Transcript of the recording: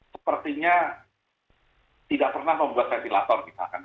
sepertinya tidak pernah membuat ventilator misalkan